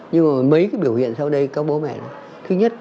nhưng mà mấy cái biểu hiện sau đây các bố mẹ thứ nhất con tự nhiên mất ngủ